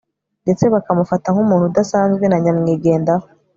ndetse bakamufata nk'umuntu udasanzwe na nyamwigendaho